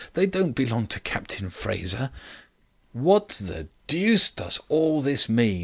They don't belong to Captain Fraser." "What the deuce does all this mean?"